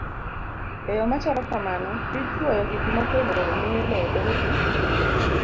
E yo machalo kamano, tij chwoyo gik moko e lowo miyo lowo bedo gi